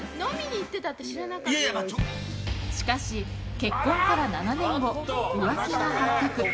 しかし、結婚から７年後浮気が発覚。